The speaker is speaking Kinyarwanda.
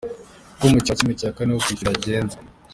Uko imikino ya ¼ yo kwishyura yagenze.